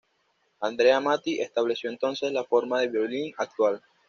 Andrea Amati estableció entonces la forma del violín actual.